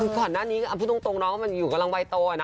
คือก่อนหน้านี้พูดตรงน้องมันอยู่กำลังวัยโตนะ